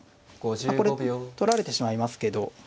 これ取られてしまいますけど。